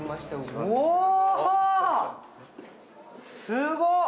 すごっ！